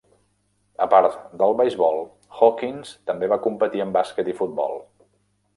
A part de beisbol, Hawkins també va competir en bàsquet i futbol.